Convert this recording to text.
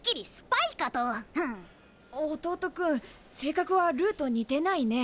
弟君性格はルーと似てないね。